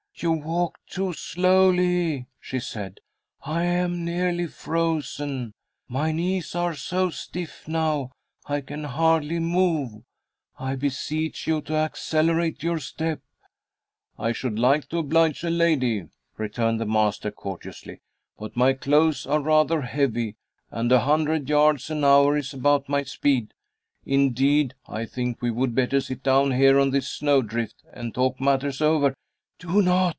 "You walk too slowly," she said. "I am nearly frozen. My knees are so stiff now I can hardly move. I beseech you to accelerate your step." "I should like to oblige a lady," returned the master, courteously, "but my clothes are rather heavy, and a hundred yards an hour is about my speed. Indeed, I think we would better sit down here on this snowdrift, and talk matters over." "Do not!